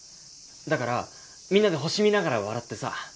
だからみんなで星見ながら笑ってさ。